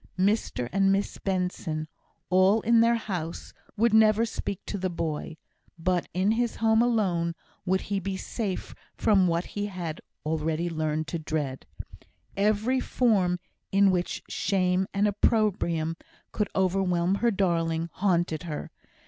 Mr and Miss Benson, all in their house, would never speak to the boy but in his home alone would he be safe from what he had already learnt to dread. Every form in which shame and opprobrium could overwhelm her darling, haunted her.